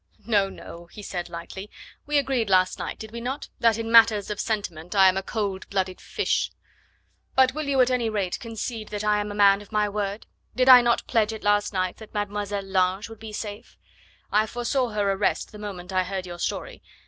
"No! no!" he said lightly, "we agreed last night, did we not? that in matters of sentiment I am a cold blooded fish. But will you at any rate concede that I am a man of my word? Did I not pledge it last night that Mademoiselle Lange would be safe? I foresaw her arrest the moment I heard your story.